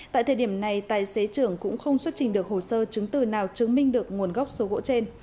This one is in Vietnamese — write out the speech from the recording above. tại thời điểm này tài xế trưởng cũng không xuất trình được hồ sơ chứng từ nào chứng minh được nguồn gốc số gỗ trên